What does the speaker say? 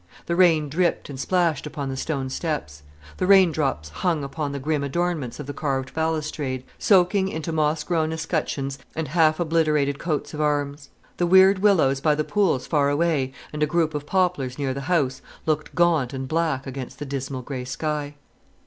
The rain dripped and splashed upon the stone steps; the rain drops hung upon the grim adornments of the carved balustrade, soaking into moss grown escutcheons and half obliterated coats of arms. The weird willows by the pools far away, and a group of poplars near the house, looked gaunt and black against the dismal grey sky.